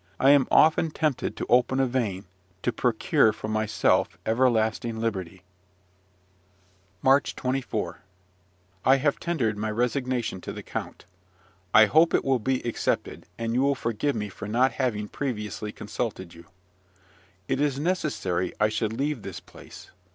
I am often tempted to open a vein, to procure for myself everlasting liberty. MARCH 24. I have tendered my resignation to the court. I hope it will be accepted, and you will forgive me for not having previously consulted you. It is necessary I should leave this place.